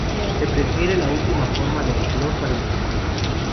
Se prefiere la última forma de la flor para el cultivo.